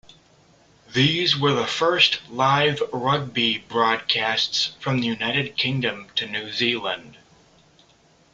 These were the first live rugby broadcasts from the United Kingdom to New Zealand.